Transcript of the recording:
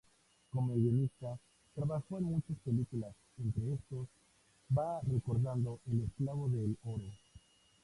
Como guionista trabajó en muchas películas, entre estos va recordado El esclavo del oro.